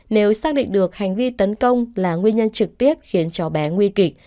nếu xác định được hành vi tấn công là nguyên nhân trực tiếp khiến cháu bé nguy kịch